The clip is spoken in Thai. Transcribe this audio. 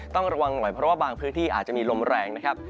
ต้องระวังหน่อยเพราะว่าบางพื้นที่อาจจะมีลมแรงนะครับ